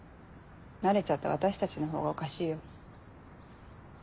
慣れちゃった私たちのほうがおかしいよ。